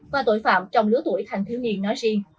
và tội phạm trong lứa tuổi thanh thiếu niên nói riêng